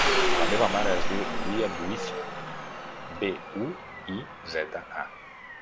La meva mare es diu Lya Buiza: be, u, i, zeta, a.